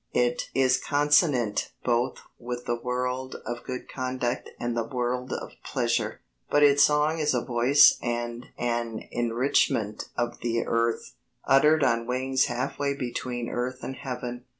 It is consonant both with the world of good conduct and the world of pleasure, but its song is a voice and an enrichment of the earth, uttered on wings half way between earth and heaven.